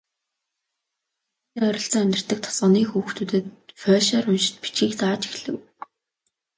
Тэдний ойролцоо амьдардаг тосгоны зарим хүүхдүүдэд польшоор уншиж бичихийг зааж эхлэв.